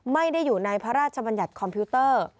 ไม่ได้อยู่ในพระราชบัญญัติคอมพิวเตอร์